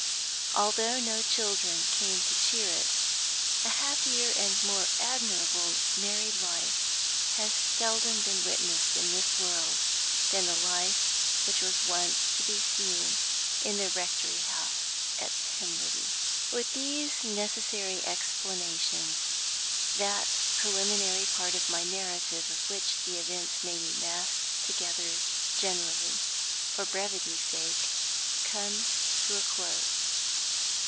Although no children came to cheer it, a happier and a more admirable married life has seldom been witnessed in this world than the life which was once to be seen in the rectory house at Penliddy. With these necessary explanations, that preliminary part of my narrative of which the events may be massed together generally, for brevity's sake, comes to a close.